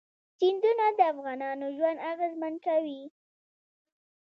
سیندونه د افغانانو ژوند اغېزمن کوي.